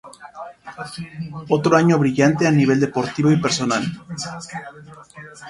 Otro año brillante a nivel deportivo y personal.